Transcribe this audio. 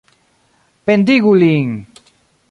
Pendigu lin!